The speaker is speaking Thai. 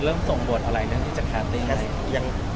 เริ่มส่งบทอะไรเรื่องที่จะแคสติ้ง